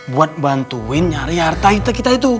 buat bantuin nyari hartaite kita itu